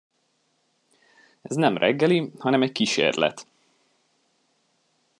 Ez nem reggeli, hanem egy kísérlet.